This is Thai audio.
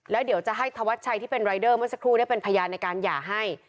แล้วเดี๋ยวจะให้ธวัดชัยที่เป็นรายเดอร์เมื่อสักครู่ได้เป็นพยานในการหย่าให้